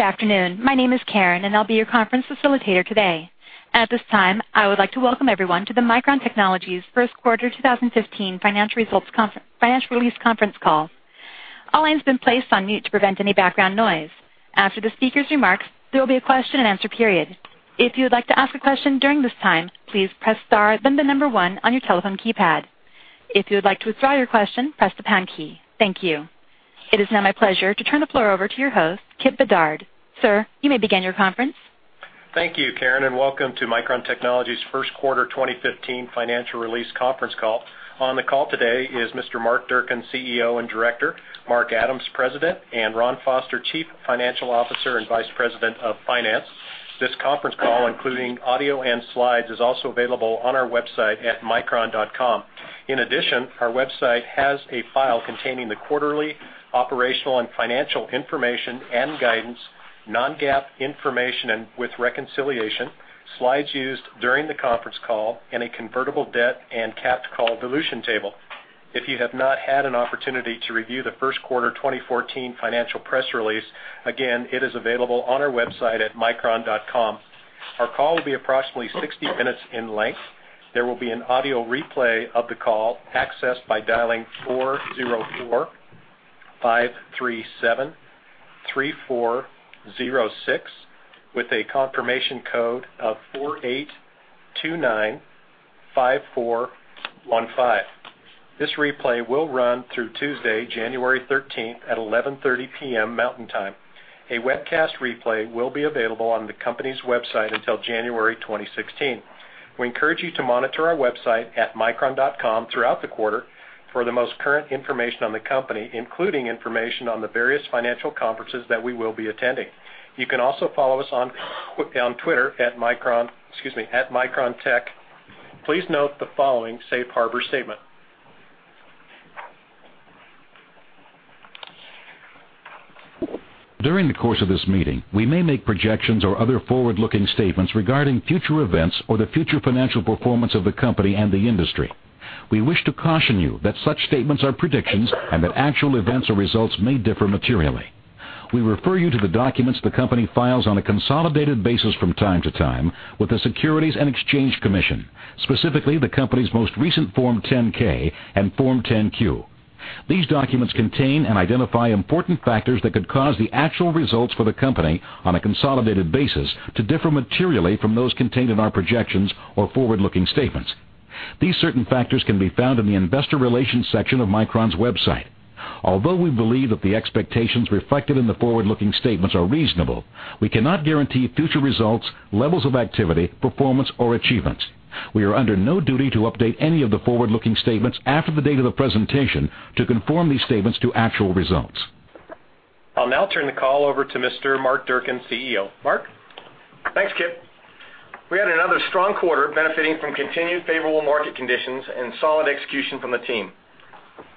Good afternoon. My name is Karen, and I'll be your conference facilitator today. At this time, I would like to welcome everyone to Micron Technology's first quarter 2015 financial release conference call. All lines have been placed on mute to prevent any background noise. After the speaker's remarks, there will be a question-and-answer period. If you would like to ask a question during this time, please press star then the number 1 on your telephone keypad. If you would like to withdraw your question, press the pound key. Thank you. It is now my pleasure to turn the floor over to your host, Kipp Bedard. Sir, you may begin your conference. Thank you, Karen, and welcome to Micron Technology's first quarter 2015 financial release conference call. On the call today is Mr. Mark Durcan, CEO and Director, Mark Adams, President, and Ron Foster, Chief Financial Officer and Vice President of Finance. This conference call, including audio and slides, is also available on our website at micron.com. In addition, our website has a file containing the quarterly operational and financial information and guidance, non-GAAP information and with reconciliation, slides used during the conference call, and a convertible debt and capped call dilution table. If you have not had an opportunity to review the first quarter 2014 financial press release, again, it is available on our website at micron.com. Our call will be approximately 60 minutes in length. There will be an audio replay of the call accessed by dialing 404-537-3406 with a confirmation code of 48295415. This replay will run through Tuesday, January 13th at 11:30 P.M. Mountain Time. A webcast replay will be available on the company's website until January 2016. We encourage you to monitor our website at micron.com throughout the quarter for the most current information on the company, including information on the various financial conferences that we will be attending. You can also follow us on Twitter at Micron Tech. Please note the following safe harbor statement. During the course of this meeting, we may make projections or other forward-looking statements regarding future events or the future financial performance of the company and the industry. We wish to caution you that such statements are predictions and that actual events or results may differ materially. We refer you to the documents the company files on a consolidated basis from time to time with the Securities and Exchange Commission, specifically the company's most recent Form 10-K and Form 10-Q. These documents contain and identify important factors that could cause the actual results for the company on a consolidated basis to differ materially from those contained in our projections or forward-looking statements. These certain factors can be found in the investor relations section of Micron's website. Although we believe that the expectations reflected in the forward-looking statements are reasonable, we cannot guarantee future results, levels of activity, performance, or achievements. We are under no duty to update any of the forward-looking statements after the date of the presentation to conform these statements to actual results. I'll now turn the call over to Mr. Mark Durcan, CEO. Mark? Thanks, Kipp. We had another strong quarter benefiting from continued favorable market conditions and solid execution from the team.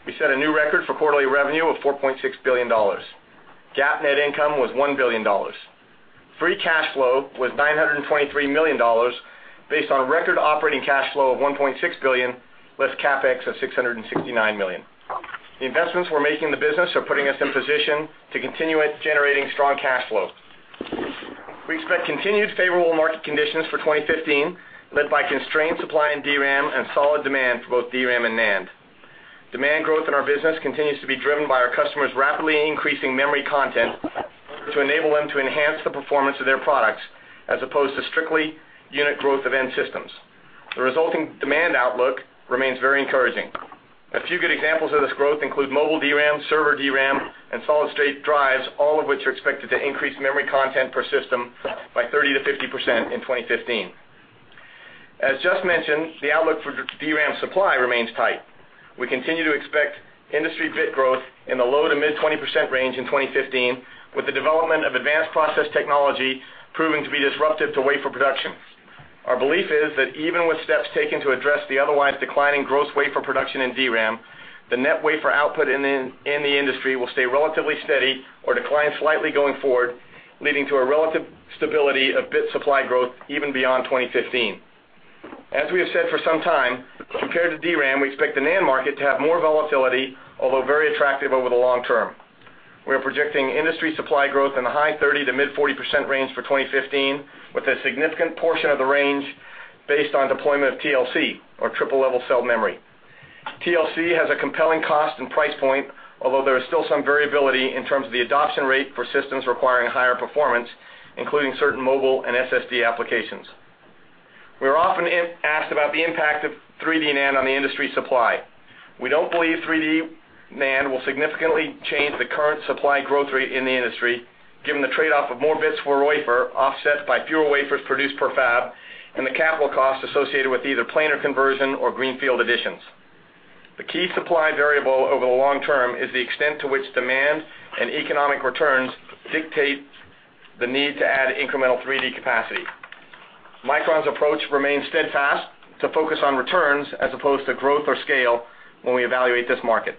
We set a new record for quarterly revenue of $4.6 billion. GAAP net income was $1 billion. Free cash flow was $923 million based on record operating cash flow of $1.6 billion, less CapEx of $669 million. The investments we're making in the business are putting us in position to continue at generating strong cash flow. We expect continued favorable market conditions for 2015, led by constrained supply in DRAM and solid demand for both DRAM and NAND. Demand growth in our business continues to be driven by our customers' rapidly increasing memory content to enable them to enhance the performance of their products as opposed to strictly unit growth of end systems. The resulting demand outlook remains very encouraging. A few good examples of this growth include mobile DRAM, server DRAM, and solid-state drives, all of which are expected to increase memory content per system by 30%-50% in 2015. As just mentioned, the outlook for DRAM supply remains tight. We continue to expect industry bit growth in the low to mid 20% range in 2015, with the development of advanced process technology proving to be disruptive to wafer production. Our belief is that even with steps taken to address the otherwise declining gross wafer production in DRAM, the net wafer output in the industry will stay relatively steady or decline slightly going forward, leading to a relative stability of bit supply growth even beyond 2015. As we have said for some time, compared to DRAM, we expect the NAND market to have more volatility, although very attractive over the long term. We are projecting industry supply growth in the high 30% to mid 40% range for 2015, with a significant portion of the range based on deployment of TLC, or triple-level cell memory. TLC has a compelling cost and price point, although there is still some variability in terms of the adoption rate for systems requiring higher performance, including certain mobile and SSD applications. We are often asked about the impact of 3D NAND on the industry supply. We do not believe 3D NAND will significantly change the current supply growth rate in the industry, given the trade-off of more bits for wafer offset by fewer wafers produced per fab and the CapEx cost associated with either planar conversion or greenfield additions. The key supply variable over the long term is the extent to which demand and economic returns dictate the need to add incremental 3D capacity. Micron's approach remains steadfast to focus on returns as opposed to growth or scale when we evaluate this market.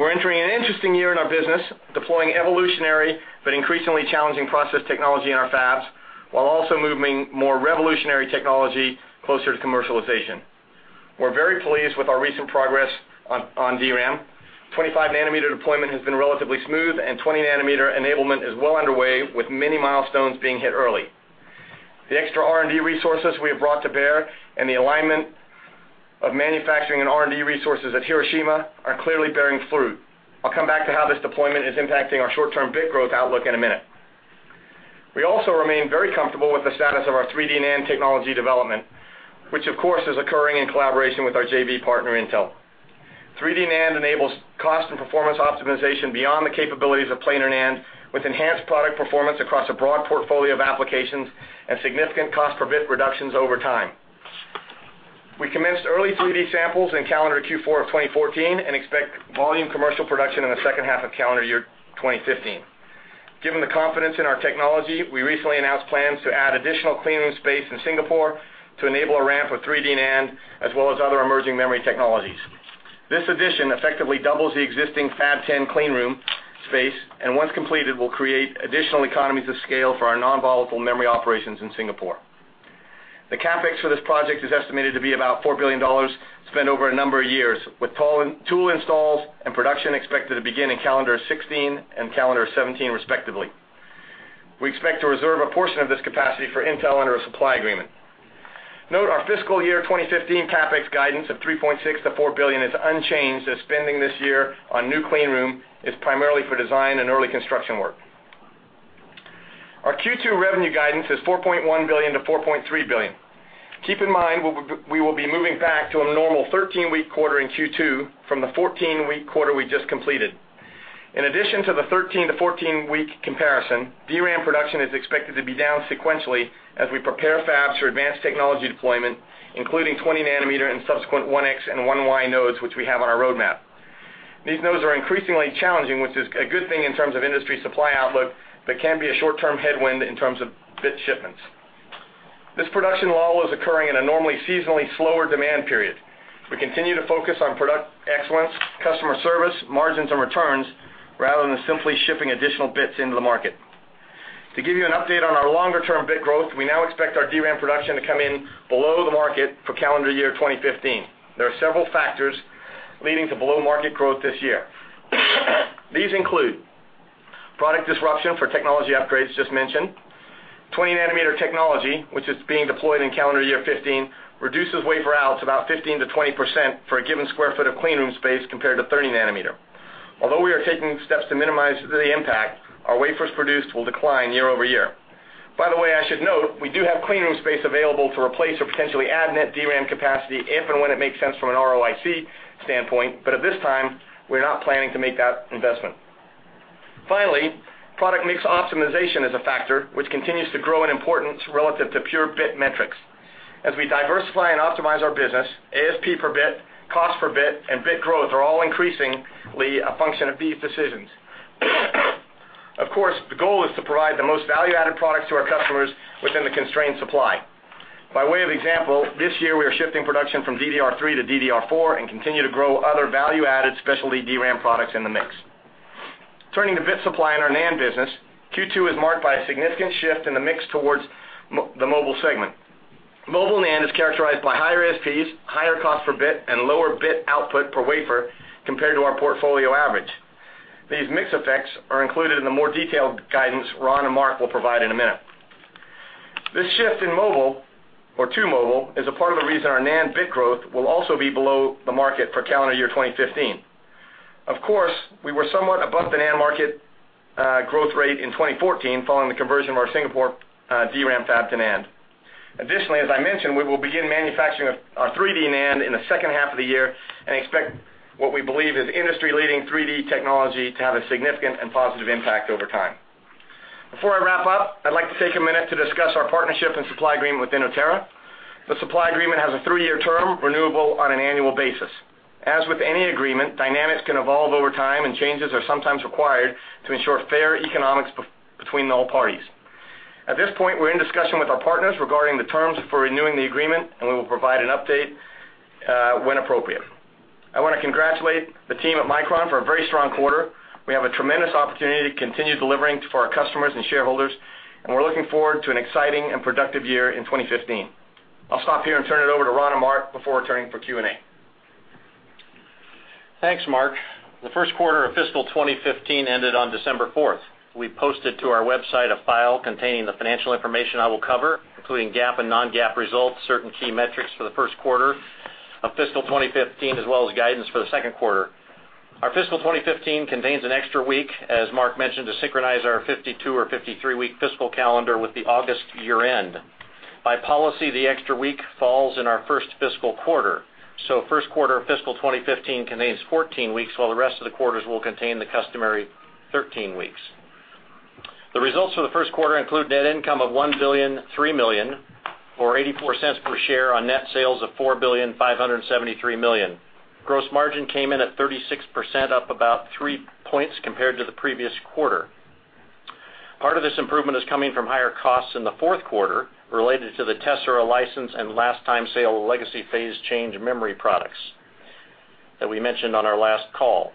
We are entering an interesting year in our business, deploying evolutionary but increasingly challenging process technology in our fabs, while also moving more revolutionary technology closer to commercialization. We are very pleased with our recent progress on DRAM. 25-nanometer deployment has been relatively smooth, and 20-nanometer enablement is well underway, with many milestones being hit early. The extra R&D resources we have brought to bear and the alignment of manufacturing and R&D resources at Hiroshima are clearly bearing fruit. I will come back to how this deployment is impacting our short-term bit growth outlook in a minute. We also remain very comfortable with the status of our 3D NAND technology development, which of course is occurring in collaboration with our JV partner, Intel. 3D NAND enables cost and performance optimization beyond the capabilities of planar NAND, with enhanced product performance across a broad portfolio of applications and significant cost per bit reductions over time. We commenced early 3D samples in calendar Q4 of 2014 and expect volume commercial production in the second half of calendar year 2015. Given the confidence in our technology, we recently announced plans to add additional clean room space in Singapore to enable a ramp for 3D NAND, as well as other emerging memory technologies. This addition effectively doubles the existing Fab 10 clean room space, and once completed, will create additional economies of scale for our non-volatile memory operations in Singapore. The CapEx for this project is estimated to be about $4 billion, spent over a number of years, with tool installs and production expected to begin in calendar 2016 and calendar 2017, respectively. We expect to reserve a portion of this capacity for Intel under a supply agreement. Note our fiscal year 2015 CapEx guidance of $3.6 billion to $4 billion is unchanged, as spending this year on new clean room is primarily for design and early construction work. Our Q2 revenue guidance is $4.1 billion to $4.3 billion. Keep in mind, we will be moving back to a normal 13-week quarter in Q2 from the 14-week quarter we just completed. In addition to the 13- to 14-week comparison, DRAM production is expected to be down sequentially as we prepare fabs for advanced technology deployment, including 20-nanometer and subsequent 1X and 1Y nodes, which we have on our roadmap. These nodes are increasingly challenging, which is a good thing in terms of industry supply outlook, but can be a short-term headwind in terms of bit shipments. This production lull is occurring in a normally seasonally slower demand period. We continue to focus on product excellence, customer service, margins, and returns, rather than simply shipping additional bits into the market. To give you an update on our longer-term bit growth, we now expect our DRAM production to come in below the market for calendar year 2015. There are several factors leading to below-market growth this year. These include product disruption for technology upgrades just mentioned. 20-nanometer technology, which is being deployed in calendar year 2015, reduces wafer outs about 15%-20% for a given square foot of clean room space compared to 30-nanometer. Although we are taking steps to minimize the impact, our wafers produced will decline year-over-year. By the way, I should note we do have clean room space available to replace or potentially add net DRAM capacity if and when it makes sense from an ROIC standpoint. At this time, we're not planning to make that investment. Finally, product mix optimization is a factor which continues to grow in importance relative to pure bit metrics. As we diversify and optimize our business, ASP per bit, cost per bit, and bit growth are all increasingly a function of these decisions. Of course, the goal is to provide the most value-added products to our customers within the constrained supply. By way of example, this year we are shifting production from DDR3 to DDR4 and continue to grow other value-added specialty DRAM products in the mix. Turning to bit supply in our NAND business, Q2 is marked by a significant shift in the mix towards the mobile segment. Mobile NAND is characterized by higher ASPs, higher cost per bit, and lower bit output per wafer compared to our portfolio average. These mix effects are included in the more detailed guidance Ron and Mark will provide in a minute. This shift in mobile, or to mobile, is a part of the reason our NAND bit growth will also be below the market for calendar year 2015. Of course, we were somewhat above the NAND market growth rate in 2014 following the conversion of our Singapore DRAM fab to NAND. Additionally, as I mentioned, we will begin manufacturing our 3D NAND in the second half of the year and expect what we believe is industry-leading 3D technology to have a significant and positive impact over time. Before I wrap up, I'd like to take a minute to discuss our partnership and supply agreement with Inotera. The supply agreement has a three-year term, renewable on an annual basis. As with any agreement, dynamics can evolve over time, and changes are sometimes required to ensure fair economics between all parties. At this point, we're in discussion with our partners regarding the terms for renewing the agreement, and we will provide an update when appropriate. I want to congratulate the team at Micron for a very strong quarter. We have a tremendous opportunity to continue delivering for our customers and shareholders, and we're looking forward to an exciting and productive year in 2015. I'll stop here and turn it over to Ron and Mark before turning for Q&A. Thanks, Mark. The first quarter of fiscal 2015 ended on December 4. We posted to our website a file containing the financial information I will cover, including GAAP and non-GAAP results, certain key metrics for the first quarter of fiscal 2015, as well as guidance for the second quarter. Our fiscal 2015 contains an extra week, as Mark mentioned, to synchronize our 52- or 53-week fiscal calendar with the August year-end. By policy, the extra week falls in our first fiscal quarter. First quarter of fiscal 2015 contains 14 weeks, while the rest of the quarters will contain the customary 13 weeks. The results for the first quarter include net income of $1,003,000,000, or $0.84 per share on net sales of $4,573,000,000. Gross margin came in at 36%, up about three points compared to the previous quarter. Part of this improvement is coming from higher costs in the fourth quarter related to the Tessera license and last-time sale of legacy phase-change memory products that we mentioned on our last call.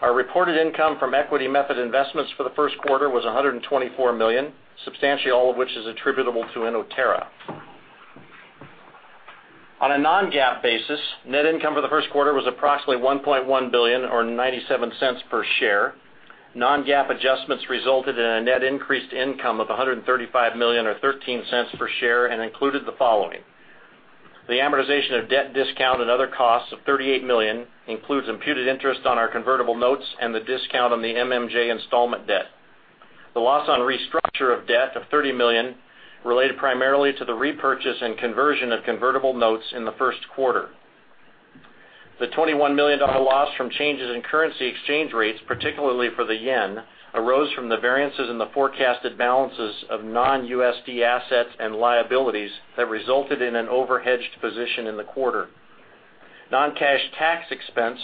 Our reported income from equity method investments for the first quarter was $124 million, substantially all of which is attributable to Inotera. On a non-GAAP basis, net income for the first quarter was approximately $1.1 billion, or $0.97 per share. Non-GAAP adjustments resulted in a net increased income of $135 million or $0.13 per share, and included the following. The amortization of debt discount and other costs of $38 million includes imputed interest on our convertible notes and the discount on the MMJ installment debt. The loss on restructure of debt of $30 million related primarily to the repurchase and conversion of convertible notes in the first quarter. The $21 million loss from changes in currency exchange rates, particularly for the JPY, arose from the variances in the forecasted balances of non-USD assets and liabilities that resulted in an over-hedged position in the quarter. Non-cash tax expense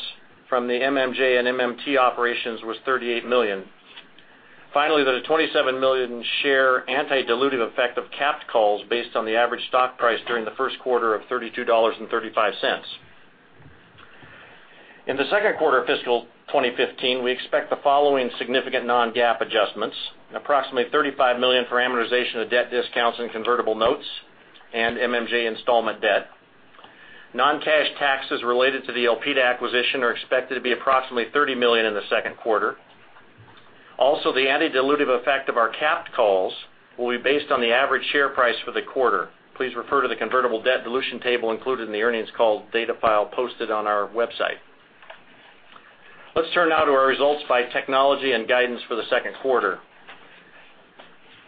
from the MMJ and MMT operations was $38 million. Finally, there was a 27 million share anti-dilutive effect of capped calls based on the average stock price during the first quarter of $32.35. In the second quarter of fiscal 2015, we expect the following significant non-GAAP adjustments. Approximately $35 million for amortization of debt discounts and convertible notes and MMJ installment debt. Non-cash taxes related to the Elpida acquisition are expected to be approximately $30 million in the second quarter. Also, the anti-dilutive effect of our capped calls will be based on the average share price for the quarter. Please refer to the convertible debt dilution table included in the earnings call data file posted on our website. Let's turn now to our results by technology and guidance for the second quarter.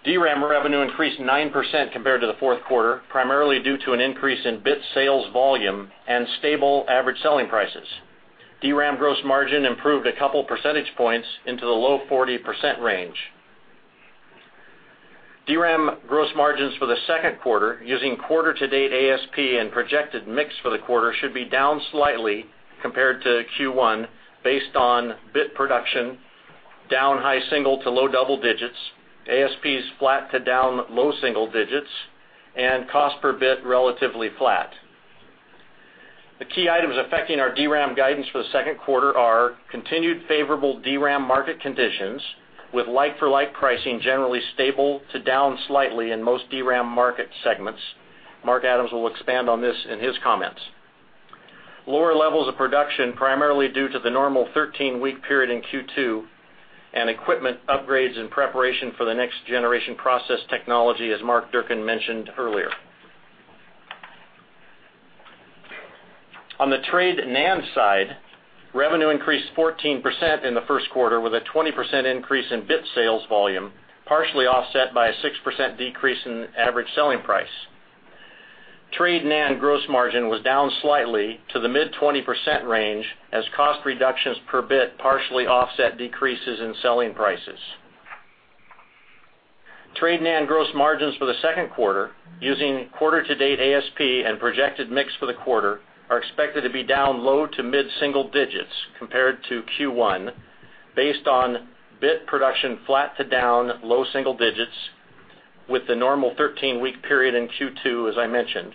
DRAM revenue increased 9% compared to the fourth quarter, primarily due to an increase in bit sales volume and stable average selling prices. DRAM gross margin improved a couple percentage points into the low 40% range. DRAM gross margins for the second quarter, using quarter-to-date ASP and projected mix for the quarter, should be down slightly compared to Q1, based on bit production down high single to low double digits, ASPs flat to down low single digits, and cost per bit relatively flat. The key items affecting our DRAM guidance for the second quarter are continued favorable DRAM market conditions with like-for-like pricing generally stable to down slightly in most DRAM market segments. Mark Adams will expand on this in his comments. Lower levels of production, primarily due to the normal 13-week period in Q2, and equipment upgrades in preparation for the next-generation process technology, as Mark Durcan mentioned earlier. On the trade NAND side, revenue increased 14% in the first quarter with a 20% increase in bit sales volume, partially offset by a 6% decrease in average selling price. Trade NAND gross margin was down slightly to the mid-20% range, as cost reductions per bit partially offset decreases in selling prices. Trade NAND gross margins for the second quarter, using quarter to date ASP and projected mix for the quarter, are expected to be down low to mid-single digits compared to Q1, based on bit production flat to down low single digits with the normal 13-week period in Q2, as I mentioned.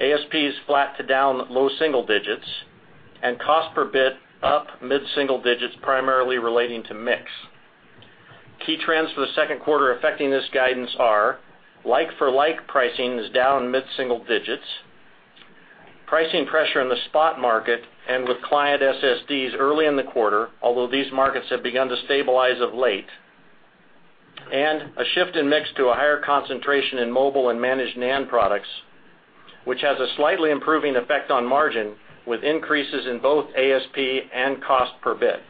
ASPs flat to down low single digits and cost per bit up mid-single digits, primarily relating to mix. Key trends for the second quarter affecting this guidance are like-for-like pricing is down mid-single digits. Pricing pressure in the spot market and with client SSDs early in the quarter, although these markets have begun to stabilize of late. A shift in mix to a higher concentration in mobile and managed NAND products, which has a slightly improving effect on margin, with increases in both ASP and cost per bit.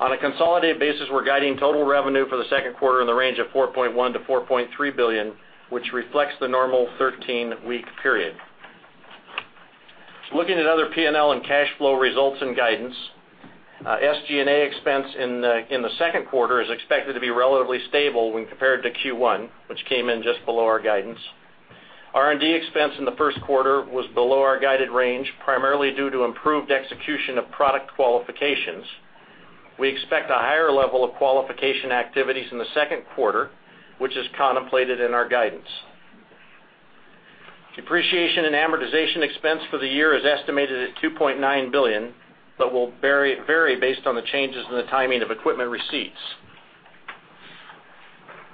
On a consolidated basis, we're guiding total revenue for the second quarter in the range of $4.1 billion-$4.3 billion, which reflects the normal 13-week period. Looking at other P&L and cash flow results and guidance, SG&A expense in the second quarter is expected to be relatively stable when compared to Q1, which came in just below our guidance. R&D expense in the first quarter was below our guided range, primarily due to improved execution of product qualifications. We expect a higher level of qualification activities in the second quarter, which is contemplated in our guidance. Depreciation and amortization expense for the year is estimated at $2.9 billion, but will vary based on the changes in the timing of equipment receipts.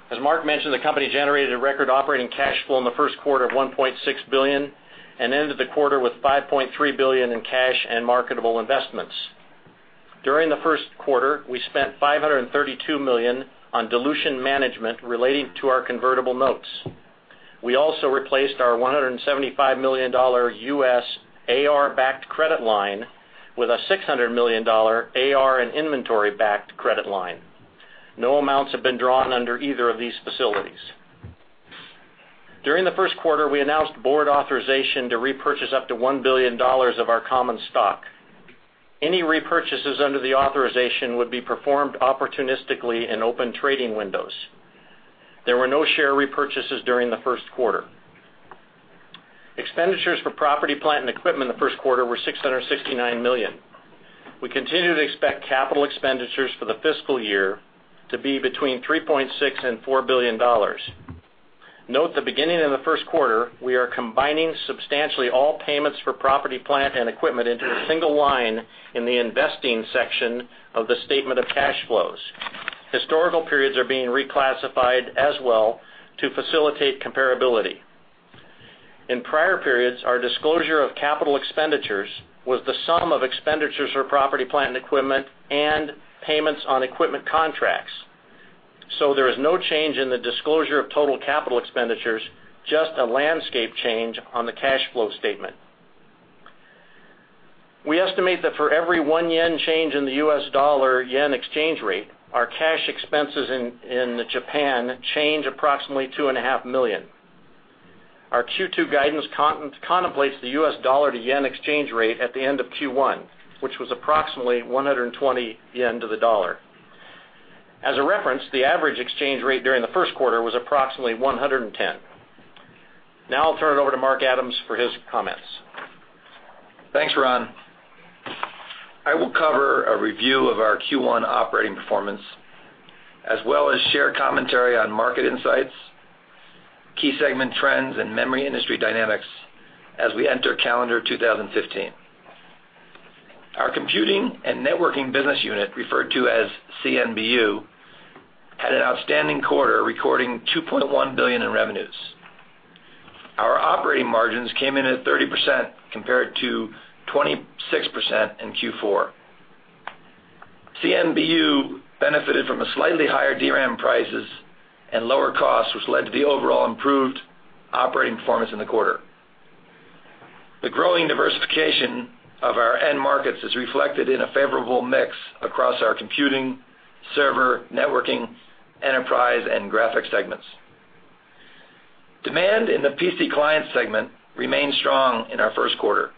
As Mark mentioned, the company generated a record operating cash flow in the first quarter of $1.6 billion and ended the quarter with $5.3 billion in cash and marketable investments. During the first quarter, we spent $532 million on dilution management relating to our convertible notes. We also replaced our $175 million U.S. AR-backed credit line with a $600 million AR and inventory-backed credit line. No amounts have been drawn under either of these facilities. During the first quarter, we announced board authorization to repurchase up to $1 billion of our common stock. Any repurchases under the authorization would be performed opportunistically in open trading windows. There were no share repurchases during the first quarter. Expenditures for property, plant, and equipment in the first quarter were $669 million. We continue to expect capital expenditures for the fiscal year to be between $3.6 billion and $4 billion. Note, the beginning of the first quarter, we are combining substantially all payments for property, plant, and equipment into a single line in the investing section of the statement of cash flows. Historical periods are being reclassified as well to facilitate comparability. In prior periods, our disclosure of capital expenditures was the sum of expenditures for property, plant, and equipment, and payments on equipment contracts. There is no change in the disclosure of total capital expenditures, just a landscape change on the cash flow statement. We estimate that for every one yen change in the US dollar/yen exchange rate, our cash expenses in Japan change approximately $2.5 million. Our Q2 guidance contemplates the US dollar to yen exchange rate at the end of Q1, which was approximately 120 yen to the dollar. As a reference, the average exchange rate during the first quarter was approximately 110 JPY. I'll turn it over to Mark Adams for his comments. Thanks, Ron. I will cover a review of our Q1 operating performance, as well as share commentary on market insights, key segment trends, and memory industry dynamics as we enter calendar 2015. Our computing and networking business unit, referred to as CNBU, had an outstanding quarter, recording $2.1 billion in revenues. Our operating margins came in at 30%, compared to 26% in Q4. CNBU benefited from slightly higher DRAM prices and lower costs, which led to the overall improved operating performance in the quarter. The growing diversification of our end markets is reflected in a favorable mix across our computing, server, networking, enterprise, and graphics segments. Demand in the PC client segment remained strong in our first quarter.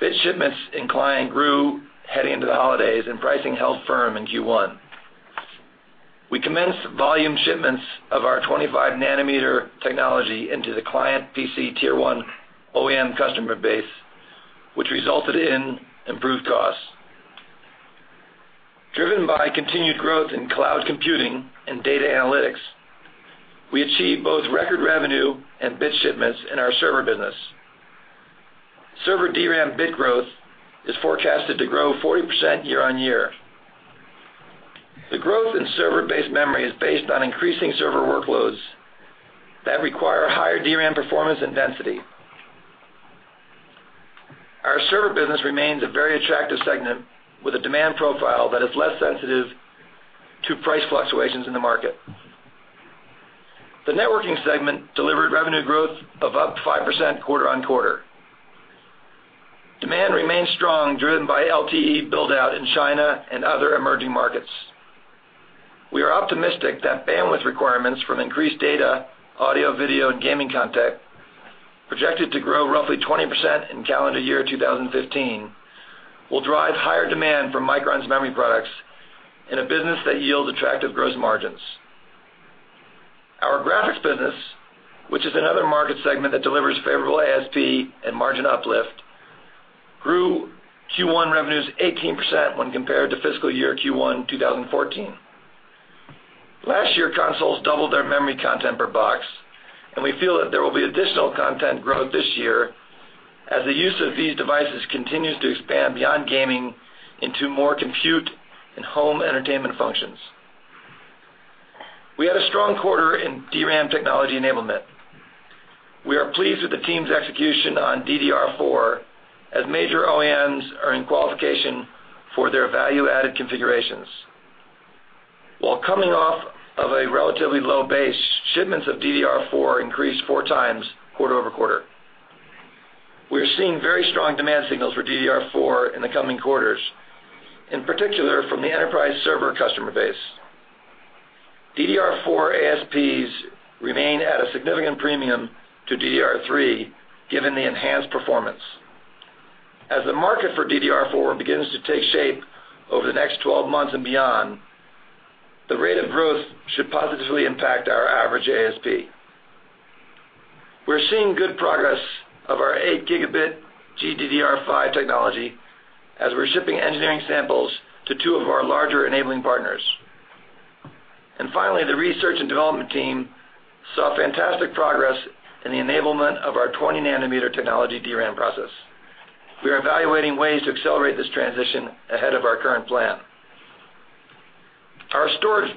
Bit shipments in client grew heading into the holidays, and pricing held firm in Q1. We commenced volume shipments of our 25-nanometer technology into the client PC Tier 1 OEM customer base, which resulted in improved costs. Driven by continued growth in cloud computing and data analytics, we achieved both record revenue and bit shipments in our server business. Server DRAM bit growth is forecasted to grow 40% year-on-year. The growth in server-based memory is based on increasing server workloads that require higher DRAM performance and density. Our server business remains a very attractive segment with a demand profile that is less sensitive to price fluctuations in the market. The networking segment delivered revenue growth of up to 5% quarter-on-quarter. Demand remains strong, driven by LTE build-out in China and other emerging markets. We are optimistic that bandwidth requirements from increased data, audio, video, and gaming content, projected to grow roughly 20% in calendar year 2015, will drive higher demand for Micron's memory products in a business that yields attractive gross margins. Our graphics business, which is another market segment that delivers favorable ASP and margin uplift, grew Q1 revenues 18% when compared to fiscal year Q1 2014. Last year, consoles doubled their memory content per box, and we feel that there will be additional content growth this year as the use of these devices continues to expand beyond gaming into more compute and home entertainment functions. We had a strong quarter in DRAM technology enablement. We are pleased with the team's execution on DDR4, as major OEMs are in qualification for their value-added configurations. While coming off of a relatively low base, shipments of DDR4 increased four times quarter-over-quarter. We are seeing very strong demand signals for DDR4 in the coming quarters, in particular from the enterprise server customer base. DDR4 ASPs remain at a significant premium to DDR3 given the enhanced performance. As the market for DDR4 begins to take shape over the next 12 months and beyond, the rate of growth should positively impact our average ASP. We're seeing good progress of our 8-gigabit GDDR5 technology as we're shipping engineering samples to two of our larger enabling partners. Finally, the research and development team saw fantastic progress in the enablement of our 20-nanometer technology DRAM process. We are evaluating ways to accelerate this transition ahead of our current plan. Our storage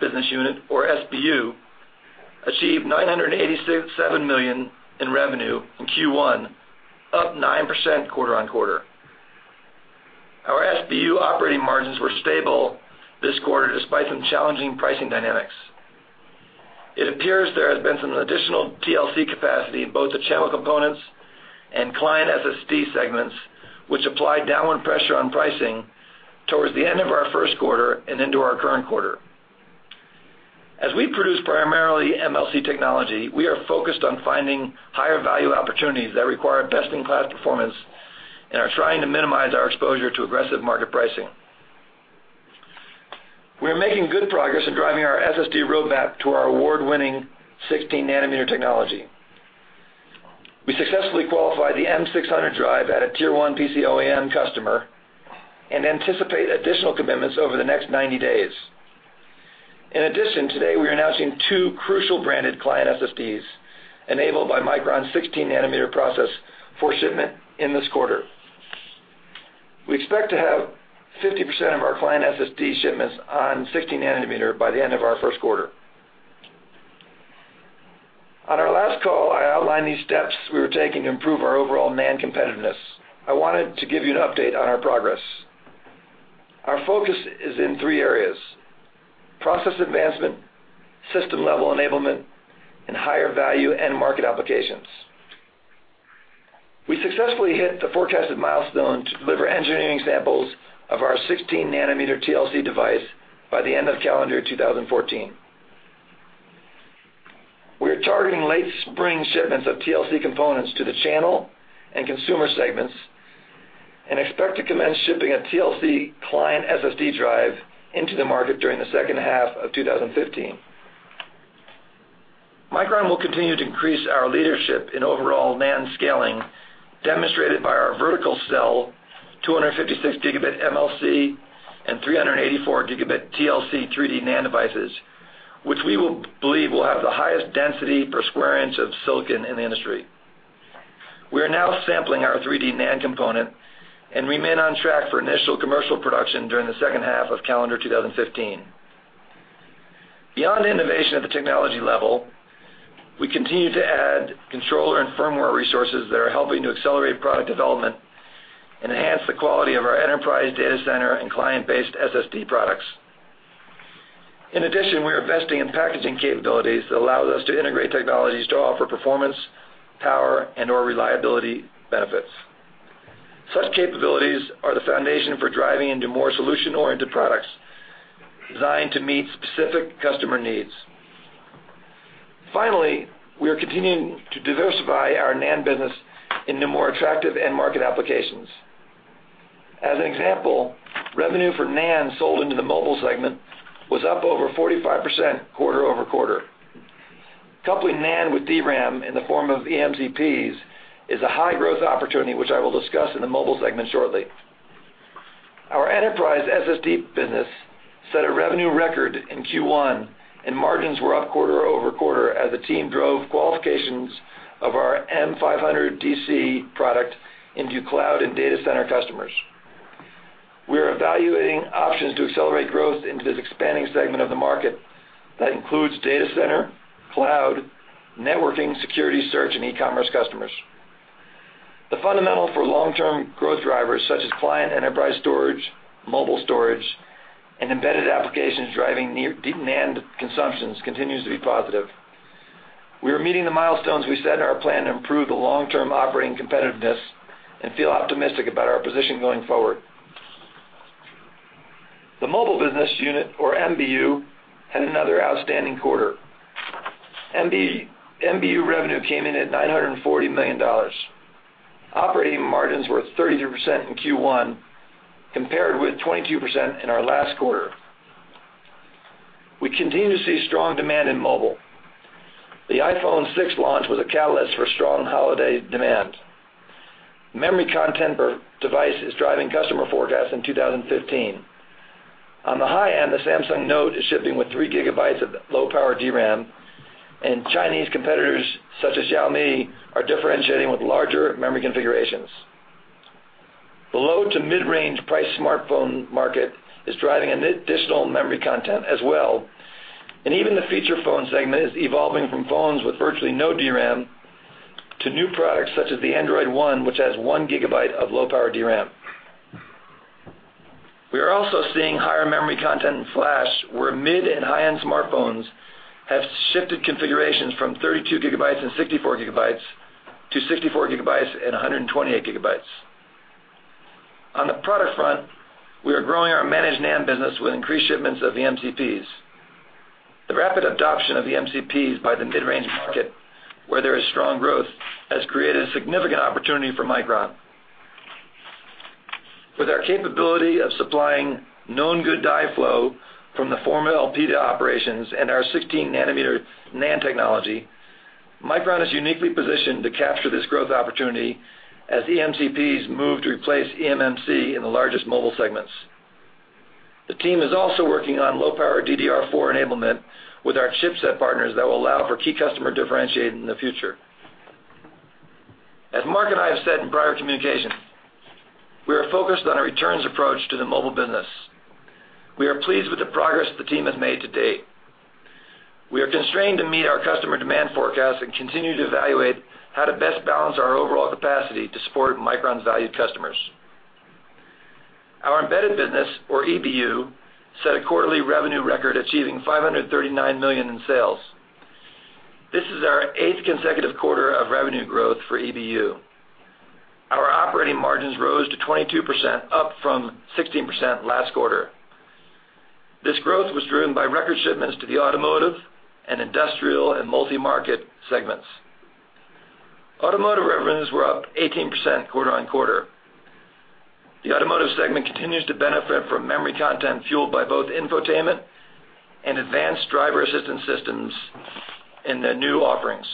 business unit, or SBU, achieved $987 million in revenue in Q1, up 9% quarter-over-quarter. Our SBU operating margins were stable this quarter, despite some challenging pricing dynamics. It appears there has been some additional TLC capacity in both the channel components and client SSD segments, which applied downward pressure on pricing towards the end of our first quarter and into our current quarter. As we produce primarily MLC technology, we are focused on finding higher value opportunities that require best-in-class performance and are trying to minimize our exposure to aggressive market pricing. We are making good progress in driving our SSD roadmap to our award-winning 16-nanometer technology. We successfully qualified the M600 drive at a Tier 1 PC OEM customer and anticipate additional commitments over the next 90 days. In addition, today we are announcing two Crucial-branded client SSDs enabled by Micron's 16-nanometer process for shipment in this quarter. We expect to have 50% of our client SSD shipments on 16-nanometer by the end of our first quarter. On our last call, I outlined these steps we were taking to improve our overall NAND competitiveness. I wanted to give you an update on our progress. Our focus is in three areas: process advancement, system-level enablement, and higher value end market applications. We successfully hit the forecasted milestone to deliver engineering samples of our 16-nanometer TLC device by the end of calendar 2014. We are targeting late spring shipments of TLC components to the channel and consumer segments and expect to commence shipping a TLC client SSD drive into the market during the second half of 2015. Micron will continue to increase our leadership in overall NAND scaling, demonstrated by our vertical cell 256-gigabit MLC and 384-gigabit TLC 3D NAND devices, which we believe will have the highest density per square inch of silicon in the industry. We are now sampling our 3D NAND component, and remain on track for initial commercial production during the second half of calendar 2015. Beyond innovation at the technology level, we continue to add controller and firmware resources that are helping to accelerate product development and enhance the quality of our enterprise data center and client-based SSD products. In addition, we are investing in packaging capabilities that allows us to integrate technologies to offer performance, power, and/or reliability benefits. Such capabilities are the foundation for driving into more solution-oriented products designed to meet specific customer needs. Finally, we are continuing to diversify our NAND business into more attractive end market applications. As an example, revenue for NAND sold into the mobile segment was up over 45% quarter-over-quarter. Coupling NAND with DRAM in the form of eMCPs is a high-growth opportunity, which I will discuss in the mobile segment shortly. Our enterprise SSD business set a revenue record in Q1, and margins were up quarter-over-quarter as the team drove qualifications of our M500DC product into cloud and data center customers. We are evaluating options to accelerate growth into this expanding segment of the market that includes data center, cloud, networking, security, search, and e-commerce customers. The fundamental for long-term growth drivers such as client enterprise storage, mobile storage, and embedded applications driving near demand consumptions continues to be positive. We are meeting the milestones we set in our plan to improve the long-term operating competitiveness and feel optimistic about our position going forward. The mobile business unit, or MBU, had another outstanding quarter. MBU revenue came in at $940 million. Operating margins were 33% in Q1, compared with 22% in our last quarter. We continue to see strong demand in mobile. The iPhone 6 launch was a catalyst for strong holiday demand. Memory content per device is driving customer forecasts in 2015. On the high-end, the Samsung Note is shipping with 3 gigabytes of low-power DRAM, and Chinese competitors such as Xiaomi are differentiating with larger memory configurations. The low to mid-range price smartphone market is driving additional memory content as well, and even the feature phone segment is evolving from phones with virtually no DRAM to new products such as the Android One, which has 1 gigabyte of low-power DRAM. We are also seeing higher memory content in flash, where mid and high-end smartphones have shifted configurations from 32 gigabytes and 64 gigabytes to 64 gigabytes and 128 gigabytes. On the product front, we are growing our managed NAND business with increased shipments of eMCPs. The rapid adoption of eMCPs by the mid-range market, where there is strong growth, has created a significant opportunity for Micron. With our capability of supplying known good die flow from the former Elpida operations and our 16-nanometer NAND technology, Micron is uniquely positioned to capture this growth opportunity as eMCPs move to replace eMMC in the largest mobile segments. The team is also working on LPDDR4 enablement with our chipset partners that will allow for key customer differentiation in the future. As Mark and I have said in prior communication, we are focused on a returns approach to the mobile business. We are pleased with the progress the team has made to date. We are constrained to meet our customer demand forecast and continue to evaluate how to best balance our overall capacity to support Micron's valued customers. Our embedded business, or EBU, set a quarterly revenue record, achieving $539 million in sales. This is our eighth consecutive quarter of revenue growth for EBU. Our operating margins rose to 22%, up from 16% last quarter. This growth was driven by record shipments to the automotive and industrial and multi-market segments. Automotive revenues were up 18% quarter-on-quarter. The automotive segment continues to benefit from memory content fueled by both infotainment and advanced driver assistance systems in the new offerings.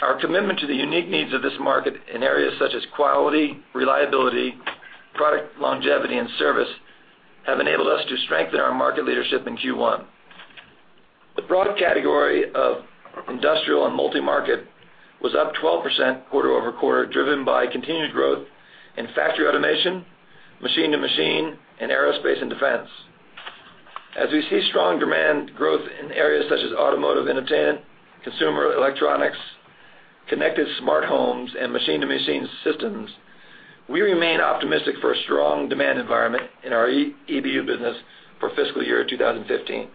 Our commitment to the unique needs of this market in areas such as quality, reliability, product longevity, and service have enabled us to strengthen our market leadership in Q1. The broad category of industrial and multi-market was up 12% quarter-over-quarter, driven by continued growth in factory automation, machine to machine, and aerospace and defense. As we see strong demand growth in areas such as automotive infotainment, consumer electronics, connected smart homes, and machine-to-machine systems, we remain optimistic for a strong demand environment in our EBU business for fiscal year 2015.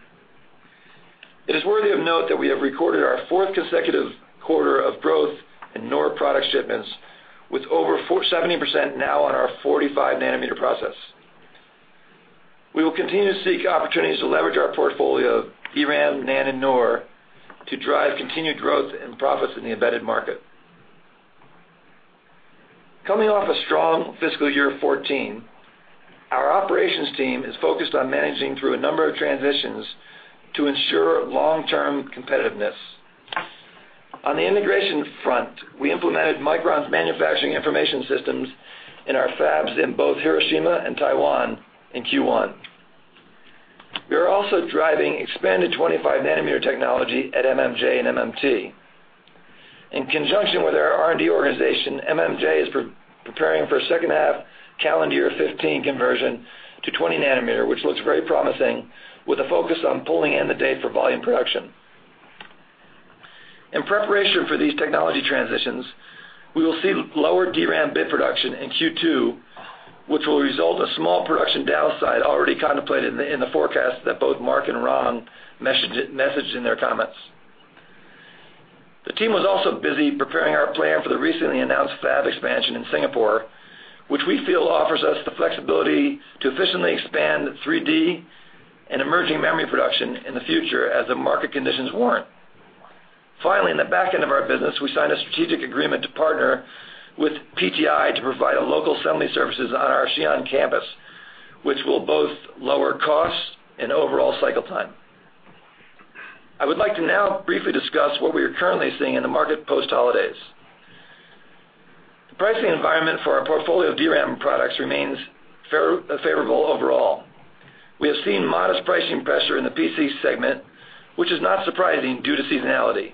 It is worthy of note that we have recorded our fourth consecutive quarter of growth in NOR product shipments with over 70% now on our 45-nanometer process. We will continue to seek opportunities to leverage our portfolio of DRAM, NAND, and NOR to drive continued growth and profits in the embedded market. Coming off a strong fiscal year 2014, our operations team is focused on managing through a number of transitions to ensure long-term competitiveness. On the integration front, we implemented Micron's manufacturing information systems in our fabs in both Hiroshima and Taiwan in Q1. We are also driving expanded 25-nanometer technology at MMJ and MMT. In conjunction with our R&D organization, MMJ is preparing for second half calendar year 2015 conversion to 20-nanometer, which looks very promising, with a focus on pulling in the date for volume production. In preparation for these technology transitions, we will see lower DRAM bit production in Q2, which will result in small production downside already contemplated in the forecast that both Mark and Ron messaged in their comments. The team was also busy preparing our plan for the recently announced fab expansion in Singapore, which we feel offers us the flexibility to efficiently expand 3D and emerging memory production in the future as the market conditions warrant. Finally, in the back end of our business, we signed a strategic agreement to partner with PTI to provide local assembly services on our Xi'an campus, which will both lower costs and overall cycle time. I would like to now briefly discuss what we are currently seeing in the market post-holidays. The pricing environment for our portfolio of DRAM products remains favorable overall. We have seen modest pricing pressure in the PC segment, which is not surprising due to seasonality.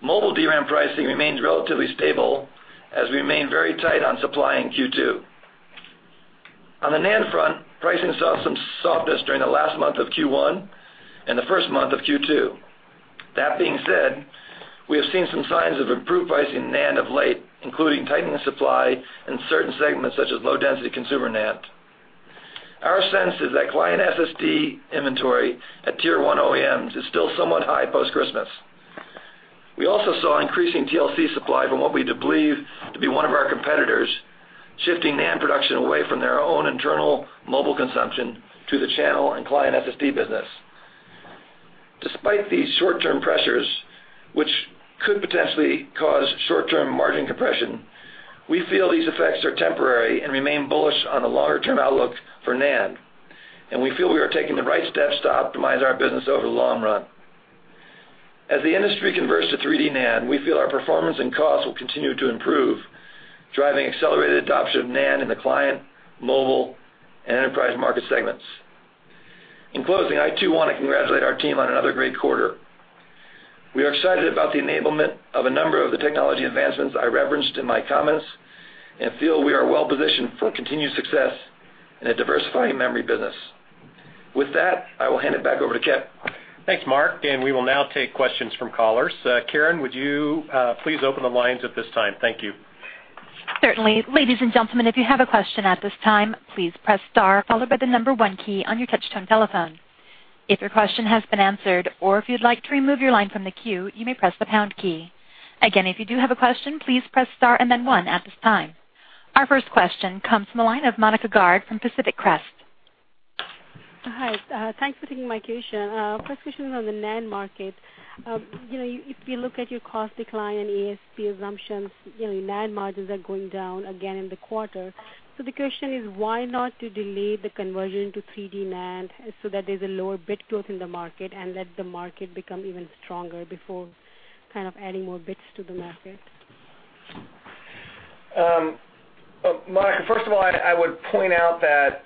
Mobile DRAM pricing remains relatively stable as we remain very tight on supply in Q2. On the NAND front, pricing saw some softness during the last month of Q1 and the first month of Q2. That being said, we have seen some signs of improved pricing in NAND of late, including tightening supply in certain segments such as low-density consumer NAND. Our sense is that client SSD inventory at Tier 1 OEMs is still somewhat high post-Christmas. We also saw increasing TLC supply from what we believe to be one of our competitors, shifting NAND production away from their own internal mobile consumption to the channel and client SSD business. Despite these short-term pressures, which could potentially cause short-term margin compression, we feel these effects are temporary and remain bullish on the longer-term outlook for NAND, and we feel we are taking the right steps to optimize our business over the long run. As the industry converts to 3D NAND, we feel our performance and costs will continue to improve, driving accelerated adoption of NAND in the client, mobile, and enterprise market segments. In closing, I too want to congratulate our team on another great quarter. We are excited about the enablement of a number of the technology advancements I referenced in my comments and feel we are well positioned for continued success in a diversifying memory business. With that, I will hand it back over to Kipp. Thanks, Mark. We will now take questions from callers. Karen, would you please open the lines at this time? Thank you. Certainly. Ladies and gentlemen, if you have a question at this time, please press star followed by the number 1 key on your touch-tone telephone. If your question has been answered or if you'd like to remove your line from the queue, you may press the pound key. Again, if you do have a question, please press star and then one at this time. Our first question comes from the line of Monika Garg from Pacific Crest. Hi. Thanks for taking my question. First question is on the NAND market. If you look at your cost decline and ASP assumptions, NAND margins are going down again in the quarter. The question is, why not delay the conversion to 3D NAND so that there's a lower bit growth in the market and let the market become even stronger before adding more bits to the market? Monika, first of all, I would point out that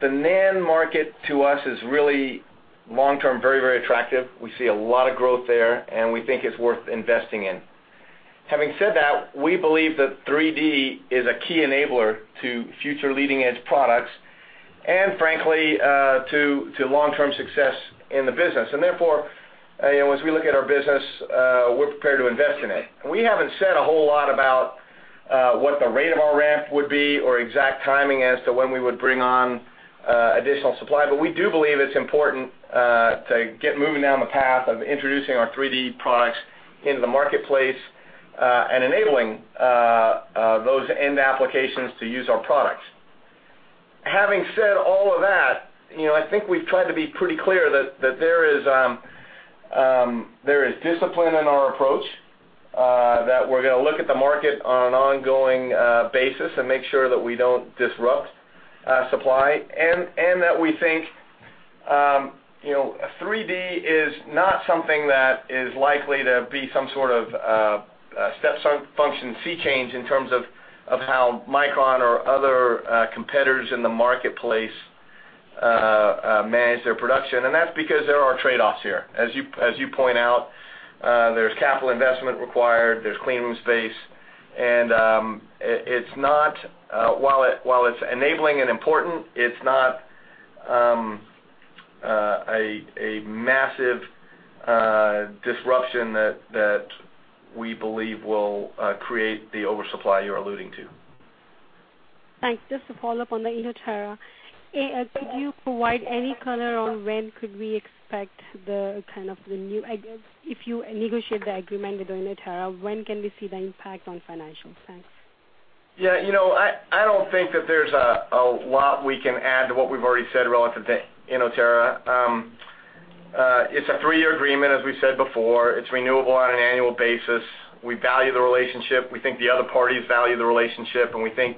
the NAND market to us is really long-term, very attractive. We see a lot of growth there, and we think it's worth investing in. Having said that, we believe that 3D is a key enabler to future leading-edge products and frankly, to long-term success in the business. Therefore, as we look at our business, we're prepared to invest in it. We haven't said a whole lot about what the rate of our ramp would be or exact timing as to when we would bring on additional supply. We do believe it's important to get moving down the path of introducing our 3D products into the marketplace, and enabling those end applications to use our products. Having said all of that, I think we've tried to be pretty clear that there is discipline in our approach, that we're going to look at the market on an ongoing basis and make sure that we don't disrupt supply, and that we think 3D is not something that is likely to be some sort of step function sea change in terms of how Micron or other competitors in the marketplace manage their production. That's because there are trade-offs here. As you point out, there's capital investment required, there's clean room space, and while it's enabling and important, it's not a massive disruption that we believe will create the oversupply you're alluding to. Thanks. Just to follow up on the Inotera. Could you provide any color on when could we expect If you negotiate the agreement with Inotera, when can we see the impact on financials? Thanks. Yeah. I don't think that there's a lot we can add to what we've already said relative to Inotera. It's a three-year agreement, as we said before. It's renewable on an annual basis. We value the relationship. We think the other parties value the relationship, and we think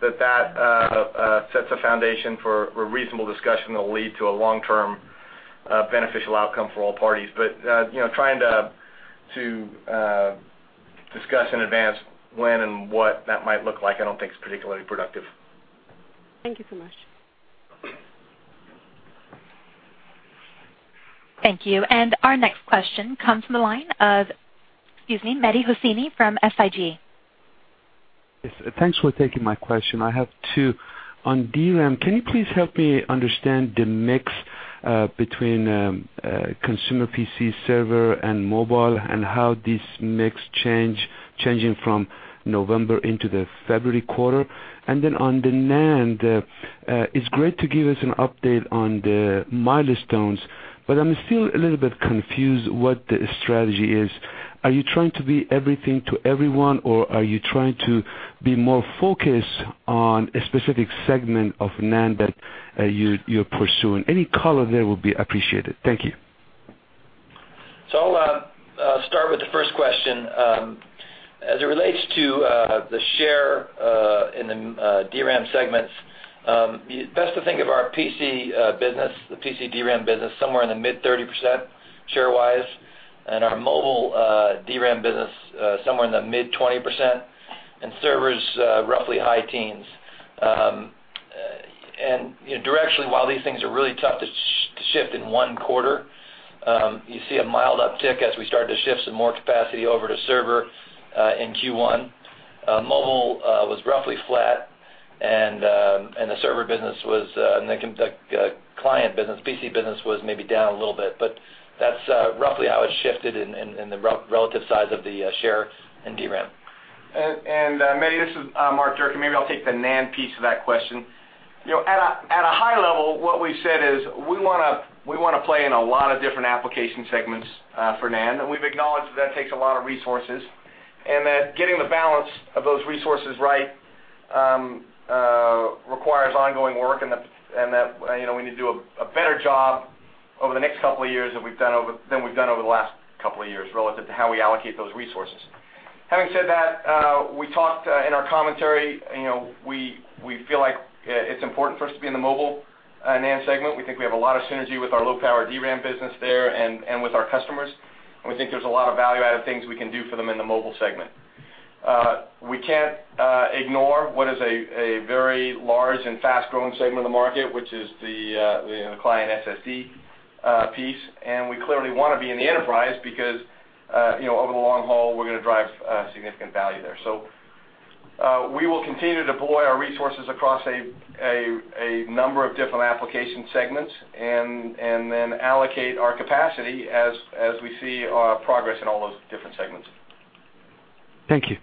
that that sets a foundation for a reasonable discussion that'll lead to a long-term, beneficial outcome for all parties. Trying to discuss in advance when and what that might look like, I don't think is particularly productive. Thank you so much. Thank you. Our next question comes from the line of, excuse me, Mehdi Hosseini from SIG. Yes. Thanks for taking my question. I have two. On DRAM, can you please help me understand the mix between consumer PC, server, and mobile, and how this mix changing from November into the February quarter? Then on the NAND, it's great to give us an update on the milestones, but I'm still a little bit confused what the strategy is. Are you trying to be everything to everyone, or are you trying to be more focused on a specific segment of NAND that you're pursuing? Any color there will be appreciated. Thank you. I'll start with the first question. As it relates to the share in the DRAM segments, best to think of our PC DRAM business somewhere in the mid-30%, share-wise, and our mobile DRAM business somewhere in the mid-20%, and servers roughly high teens. Directionally, while these things are really tough to shift in one quarter, you see a mild uptick as we start to shift some more capacity over to server in Q1. Mobile was roughly flat, and PC business was maybe down a little bit. That's roughly how it shifted in the relative size of the share in DRAM. Mehdi, this is Mark Durcan. Maybe I'll take the NAND piece of that question. At a high level, what we've said is we want to play in a lot of different application segments for NAND, and we've acknowledged that takes a lot of resources, and that getting the balance of those resources right requires ongoing work, and that we need to do a better job over the next couple of years than we've done over the last couple of years, relative to how we allocate those resources. Having said that, we talked in our commentary, we feel like it's important for us to be in the mobile NAND segment. We think we have a lot of synergy with our low-power DRAM business there and with our customers, and we think there's a lot of value-added things we can do for them in the mobile segment. We can't ignore what is a very large and fast-growing segment of the market, which is the client SSD piece. We clearly want to be in the enterprise because, over the long haul, we're going to drive significant value there. We will continue to deploy our resources across a number of different application segments and then allocate our capacity as we see progress in all those different segments. Thank you.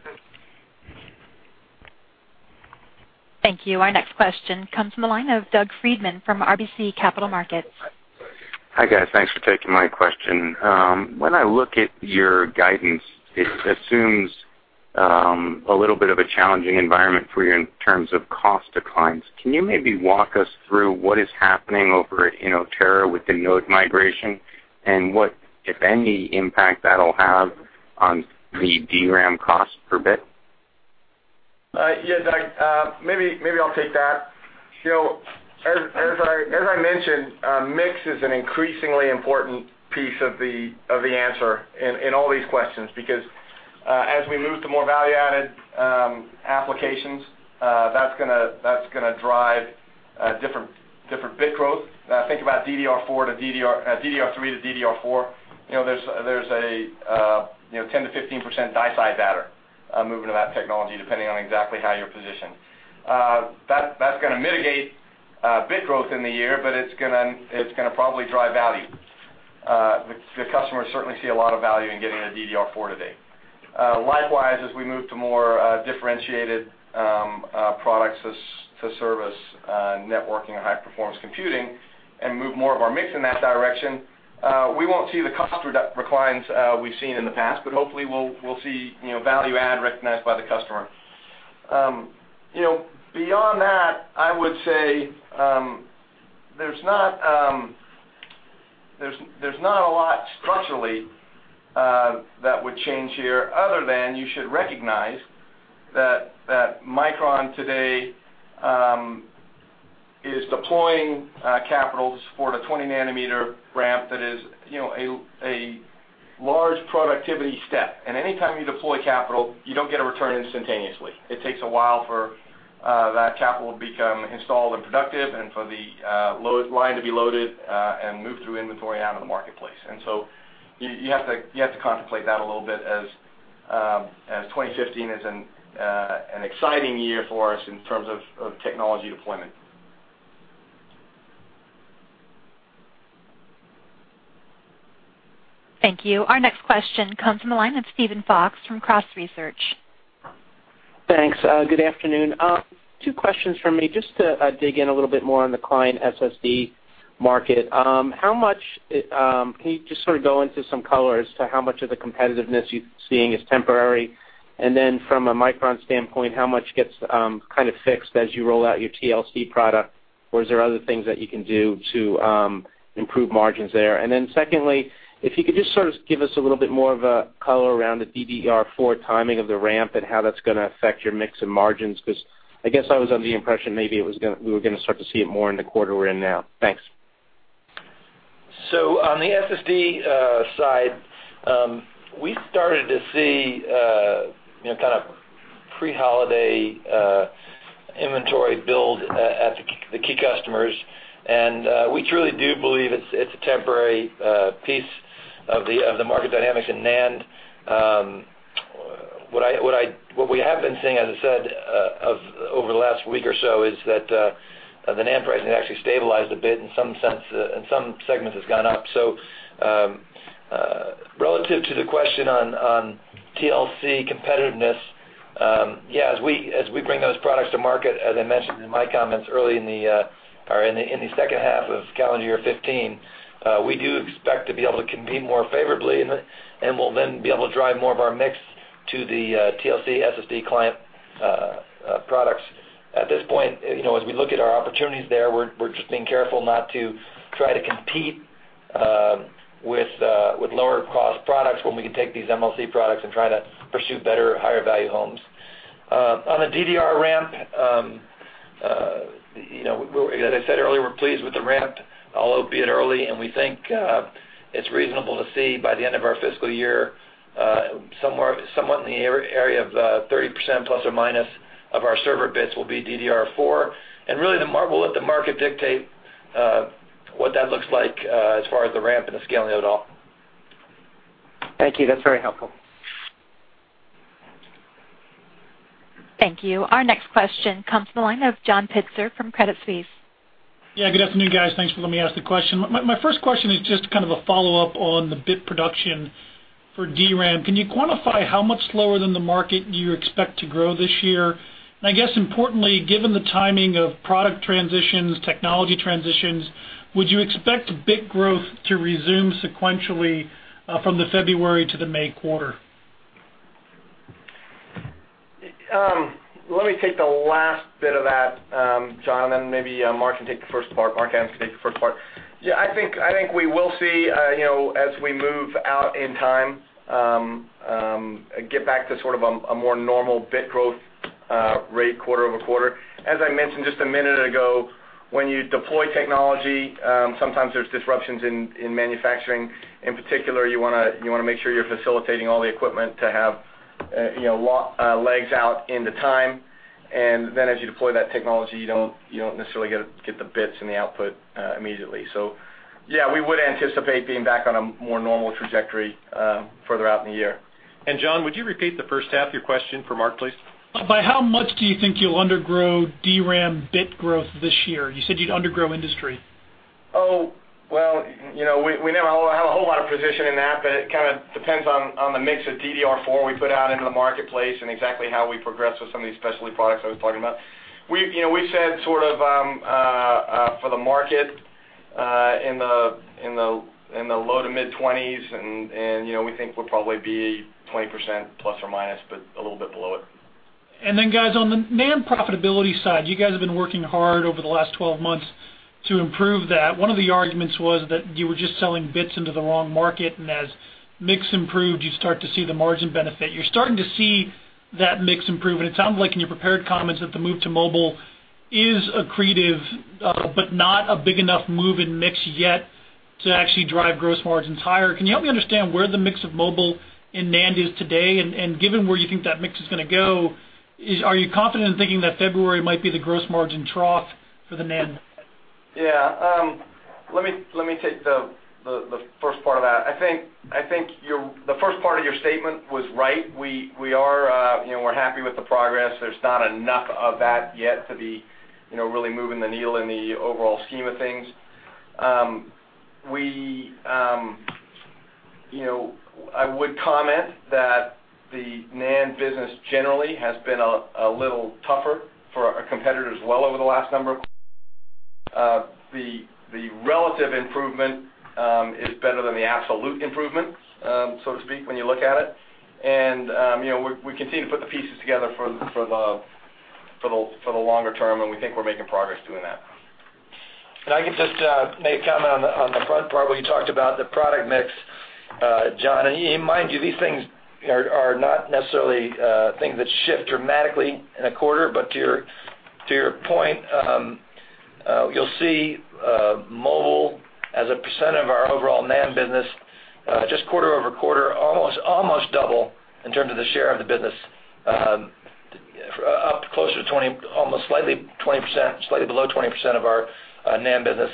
Thank you. Our next question comes from the line of Doug Freedman from RBC Capital Markets. Hi, guys. Thanks for taking my question. When I look at your guidance, it assumes a little bit of a challenging environment for you in terms of cost declines. Can you maybe walk us through what is happening over at Inotera with the node migration and what, if any, impact that'll have on the DRAM cost per bit? Yeah, Doug, maybe I'll take that. As I mentioned, mix is an increasingly important piece of the answer in all these questions, because as we move to more value-added applications, that's going to drive different bit growth. Think about DDR3 to DDR4. There's a 10%-15% die size factor moving to that technology, depending on exactly how you're positioned. That's going to mitigate bit growth in the year, but it's going to probably drive value. The customers certainly see a lot of value in getting the DDR4 today. Likewise, as we move to more differentiated products to service networking and high-performance computing and move more of our mix in that direction, we won't see the cost declines we've seen in the past, but hopefully we'll see value add recognized by the customer. Beyond that, I would say there's. There's not a lot structurally that would change here, other than you should recognize that Micron today is deploying capitals for the 20-nanometer ramp that is a large productivity step. Anytime you deploy capital, you don't get a return instantaneously. It takes a while for that capital to become installed and productive, and for the load line to be loaded, and move through inventory out in the marketplace. You have to contemplate that a little bit as 2015 is an exciting year for us in terms of technology deployment. Thank you. Our next question comes from the line of Steven Fox from Cross Research. Thanks. Good afternoon. Two questions from me, just to dig in a little bit more on the client SSD market. Can you just sort of go into some color as to how much of the competitiveness you're seeing is temporary? From a Micron standpoint, how much gets kind of fixed as you roll out your TLC product? Is there other things that you can do to improve margins there? Secondly, if you could just sort of give us a little bit more of a color around the DDR4 timing of the ramp and how that's going to affect your mix and margins, because I guess I was under the impression maybe we were going to start to see it more in the quarter we're in now. Thanks. On the SSD side, we started to see kind of pre-holiday inventory build at the key customers. We truly do believe it's a temporary piece of the market dynamics in NAND. What we have been seeing, as I said, over the last week or so, is that the NAND pricing actually stabilized a bit, in some segments has gone up. Relative to the question on TLC competitiveness, as we bring those products to market, as I mentioned in my comments early in the second half of calendar year 2015, we do expect to be able to compete more favorably. We'll then be able to drive more of our mix to the TLC SSD client products. At this point, as we look at our opportunities there, we're just being careful not to try to compete with lower-cost products when we can take these MLC products and try to pursue better, higher-value homes. On the DDR ramp, as I said earlier, we're pleased with the ramp, albeit early. We think it's reasonable to see by the end of our fiscal year, somewhat in the area of 30% plus or minus of our server bits will be DDR4. Really, we'll let the market dictate what that looks like as far as the ramp and the scaling of it all. Thank you. That's very helpful. Thank you. Our next question comes from the line of John Pitzer from Credit Suisse. I guess importantly, given the timing of product transitions, technology transitions, would you expect bit growth to resume sequentially from the February to the May quarter? Let me take the last bit of that, John, then maybe Mark Adams can take the first part. I think we will see, as we move out in time, get back to sort of a more normal bit growth rate quarter-over-quarter. As I mentioned just a minute ago, when you deploy technology, sometimes there's disruptions in manufacturing. In particular, you want to make sure you're facilitating all the equipment to have legs out into time. Then as you deploy that technology, you don't necessarily get the bits and the output immediately. Yeah, we would anticipate being back on a more normal trajectory further out in the year. John, would you repeat the first half of your question for Mark, please? By how much do you think you'll undergrow DRAM bit growth this year? You said you'd undergrow industry. Oh, well, we never have a whole lot of position in that, but it kind of depends on the mix of DDR4 we put out into the marketplace and exactly how we progress with some of these specialty products I was talking about. We've said sort of for the market, in the low to mid-20s, and we think we'll probably be 20% ±, but a little bit below it. Guys, on the NAND profitability side, you guys have been working hard over the last 12 months to improve that. One of the arguments was that you were just selling bits into the wrong market, as mix improved, you'd start to see the margin benefit. You're starting to see that mix improve, and it sounds like in your prepared comments that the move to mobile is accretive, but not a big enough move in mix yet to actually drive gross margins higher. Can you help me understand where the mix of mobile and NAND is today, and given where you think that mix is going to go, are you confident in thinking that February might be the gross margin trough for the NAND? Yeah. Let me take the first part of that. I think the first part of your statement was right. We're happy with the progress. There's not enough of that yet to be really moving the needle in the overall scheme of things. I would comment that the NAND business generally has been a little tougher for our competitors well over the last number of. The relative improvement is better than the absolute improvement, so to speak, when you look at it. We continue to put the pieces together for the For the longer term, we think we're making progress doing that. I can just make a comment on the front part where you talked about the product mix, John. Mind you, these things are not necessarily things that shift dramatically in a quarter, but to your point, you'll see mobile as a percent of our overall NAND business just quarter-over-quarter, almost double in terms of the share of the business, up close to almost slightly below 20% of our NAND business.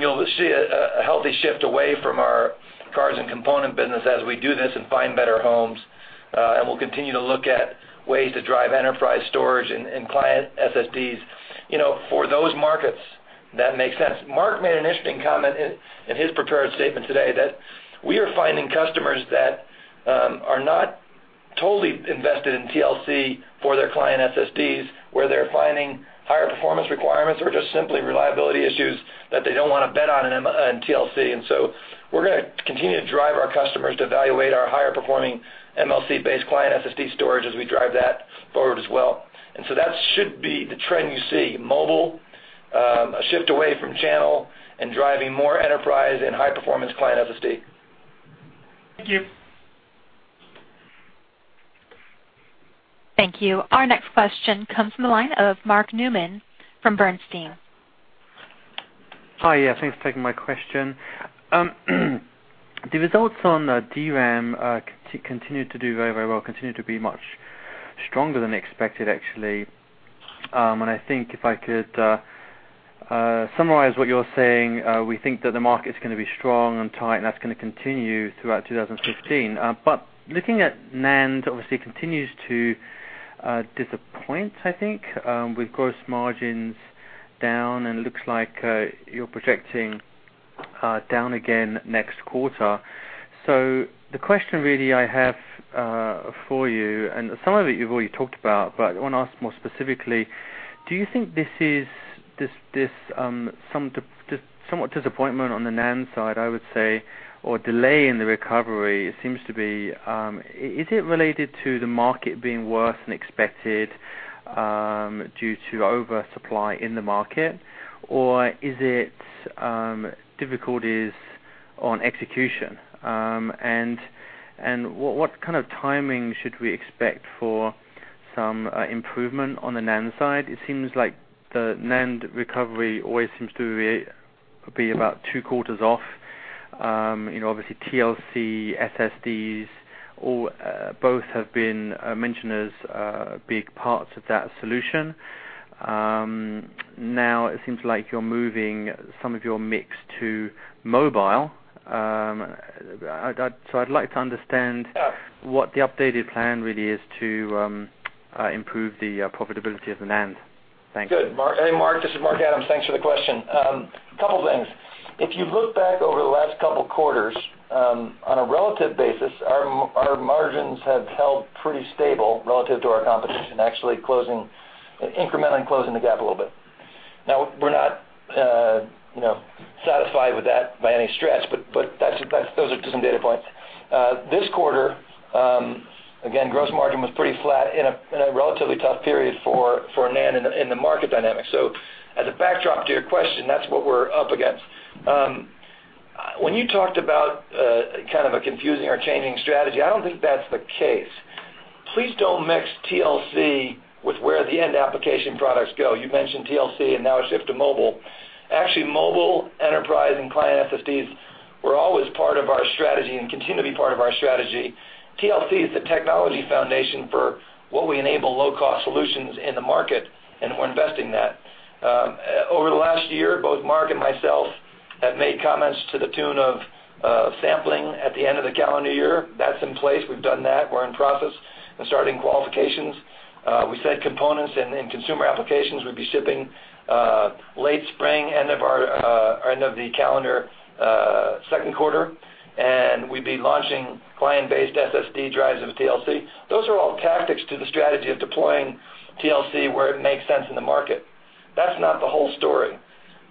You'll see a healthy shift away from our cards and component business as we do this and find better homes. We'll continue to look at ways to drive enterprise storage and client SSDs. For those markets, that make sense. Mark made an interesting comment in his prepared statement today that we are finding customers that are not totally invested in TLC for their client SSDs, where they're finding higher performance requirements or just simply reliability issues that they don't want to bet on in TLC. We're going to continue to drive our customers to evaluate our higher-performing MLC-based client SSD storage as we drive that forward as well. That should be the trend you see, mobile, a shift away from channel, and driving more enterprise and high-performance client SSD. Thank you. Thank you. Our next question comes from the line of Mark Newman from Bernstein. Hi. Yeah, thanks for taking my question. The results on DRAM continue to do very well, continue to be much stronger than expected, actually. I think if I could summarize what you're saying, we think that the market's going to be strong and tight, and that's going to continue throughout 2016. Looking at NAND, obviously continues to disappoint, I think, with gross margins down, and looks like you're projecting down again next quarter. The question really I have for you, and some of it you've already talked about, but I want to ask more specifically, do you think this somewhat disappointment on the NAND side, I would say, or delay in the recovery seems to be, is it related to the market being worse than expected due to oversupply in the market, or is it difficulties on execution? What kind of timing should we expect for some improvement on the NAND side? It seems like the NAND recovery always seems to be about two quarters off. Obviously TLC, SSDs, both have been mentioned as big parts of that solution. Now it seems like you're moving some of your mix to mobile. I'd like to understand- Yeah what the updated plan really is to improve the profitability of the NAND. Thanks. Good. Hey, Mark, this is Mark Adams. Thanks for the question. Couple of things. If you look back over the last couple of quarters, on a relative basis, our margins have held pretty stable relative to our competition, actually incrementally closing the gap a little bit. We're not satisfied with that by any stretch, but those are just some data points. This quarter, again, gross margin was pretty flat in a relatively tough period for NAND in the market dynamics. As a backdrop to your question, that's what we're up against. When you talked about kind of a confusing or changing strategy, I don't think that's the case. Please don't mix TLC with where the end application products go. You mentioned TLC and now a shift to mobile. Actually, mobile, enterprise, and client SSDs were always part of our strategy and continue to be part of our strategy. TLC is the technology foundation for what we enable low-cost solutions in the market, and we're investing that. Over the last year, both Mark and myself have made comments to the tune of sampling at the end of the calendar year. That's in place. We've done that. We're in process of starting qualifications. We said components and consumer applications would be shipping late spring, end of the calendar second quarter, and we'd be launching client-based SSD drives of TLC. Those are all tactics to the strategy of deploying TLC where it makes sense in the market. That's not the whole story.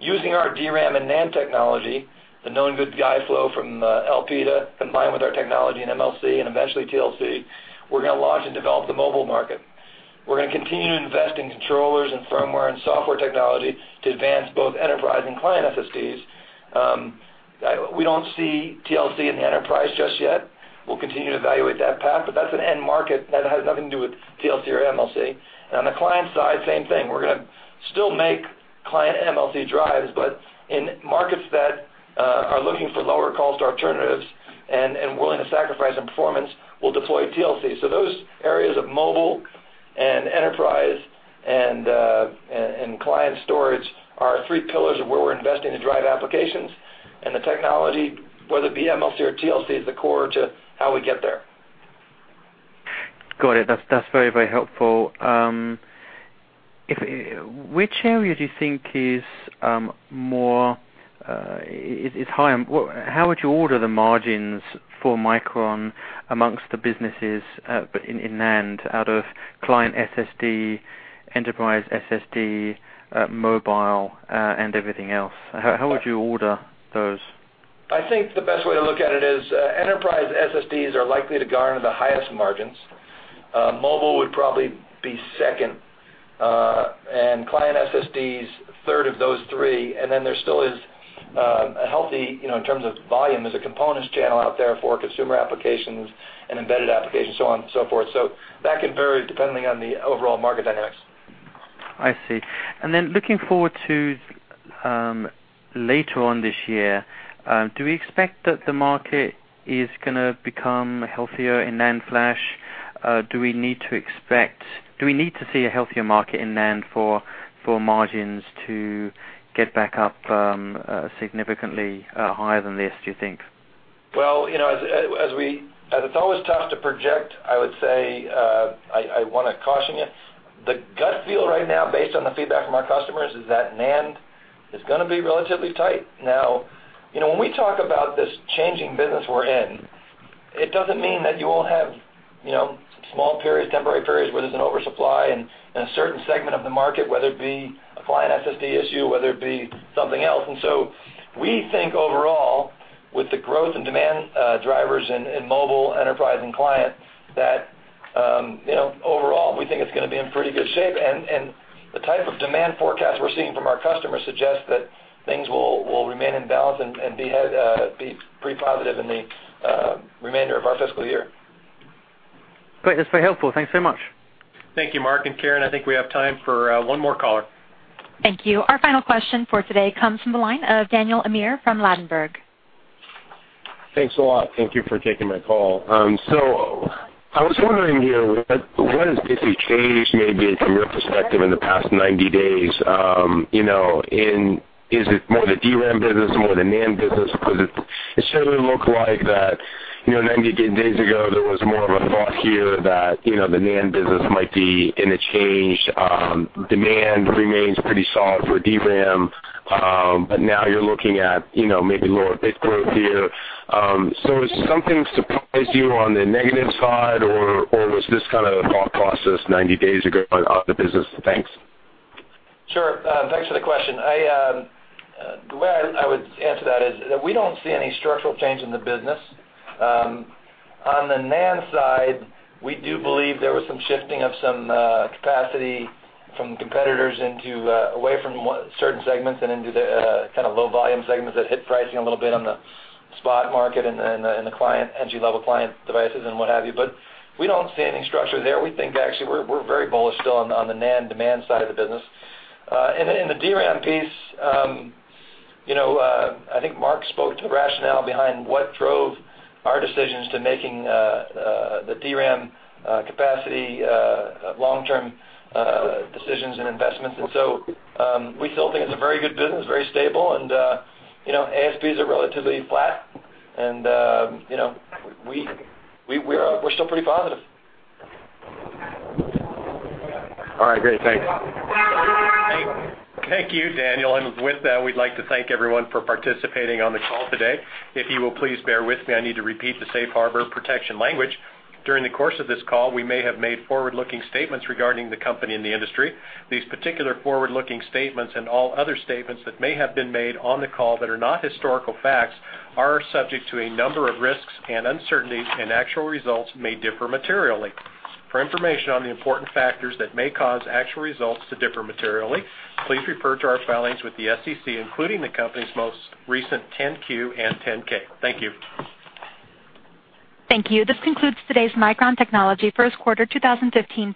Using our DRAM and NAND technology, the known good die flow from Elpida, combined with our technology in MLC and eventually TLC, we're going to launch and develop the mobile market. We're going to continue to invest in controllers and firmware and software technology to advance both enterprise and client SSDs. We don't see TLC in the enterprise just yet. We'll continue to evaluate that path, but that's an end market that has nothing to do with TLC or MLC. On the client side, same thing. We're going to still make client MLC drives, but in markets that are looking for lower cost alternatives and willing to sacrifice on performance, we'll deploy TLC. Those areas of mobile and enterprise and client storage are our three pillars of where we're investing to drive applications, and the technology, whether it be MLC or TLC, is the core to how we get there. Got it. That's very helpful. How would you order the margins for Micron amongst the businesses in NAND out of client SSD, enterprise SSD, mobile, and everything else? How would you order those? I think the best way to look at it is enterprise SSDs are likely to garner the highest margins. Mobile would probably be second, and client SSDs third of those three. Then there still is a healthy, in terms of volume, there's a components channel out there for consumer applications and embedded applications, so on and so forth. That can vary depending on the overall market dynamics. I see. Looking forward to later on this year, do we expect that the market is going to become healthier in NAND flash? Do we need to see a healthier market in NAND for margins to get back up significantly higher than this, do you think? Well, as it's always tough to project, I would say, I want to caution you. The gut feel right now based on the feedback from our customers is that NAND is going to be relatively tight. Now, when we talk about this changing business we're in, it doesn't mean that you won't have small periods, temporary periods, where there's an oversupply in a certain segment of the market, whether it be a client SSD issue, whether it be something else. We think overall, with the growth in demand drivers in mobile, enterprise, and client, that overall we think it's going to be in pretty good shape. The type of demand forecast we're seeing from our customers suggests that things will remain in balance and be pretty positive in the remainder of our fiscal year. Great. That's very helpful. Thank you so much. Thank you, Mark. Karen, I think we have time for one more caller. Thank you. Our final question for today comes from the line of Daniel Amir from Ladenburg. Thanks a lot. Thank you for taking my call. I was wondering here, what has basically changed maybe from your perspective in the past 90 days? Is it more the DRAM business, more the NAND business? It certainly looked like that 90 days ago, there was more of a thought here that the NAND business might be in a change. Demand remains pretty solid for DRAM, but now you're looking at maybe lower bit growth here. Has something surprised you on the negative side, or was this kind of a thought process 90 days ago about the business? Thanks. Sure. Thanks for the question. The way I would answer that is that we don't see any structural change in the business. On the NAND side, we do believe there was some shifting of some capacity from competitors away from certain segments and into the kind of low-volume segments that hit pricing a little bit on the spot market and the entry-level client devices and what have you. We don't see any structure there. We think actually we're very bullish still on the NAND demand side of the business. In the DRAM piece, I think Mark spoke to the rationale behind what drove our decisions to making the DRAM capacity long-term decisions and investments. We still think it's a very good business, very stable, and ASPs are relatively flat. We're still pretty positive. All right, great. Thanks. Thank you, Daniel. With that, we'd like to thank everyone for participating on the call today. If you will please bear with me, I need to repeat the safe harbor protection language. During the course of this call, we may have made forward-looking statements regarding the company and the industry. These particular forward-looking statements and all other statements that may have been made on the call that are not historical facts are subject to a number of risks and uncertainties, and actual results may differ materially. For information on the important factors that may cause actual results to differ materially, please refer to our filings with the SEC, including the company's most recent 10-Q and 10-K. Thank you. Thank you. This concludes today's Micron Technology first quarter 2015.